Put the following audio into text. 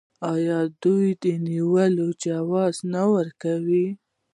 آیا دوی د نیولو جواز نه ورکوي؟